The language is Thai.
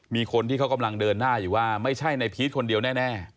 มีคนที่เขากำลังเดินหน้าอยู่ว่าไม่ใช่ในพีชคนเดียวแน่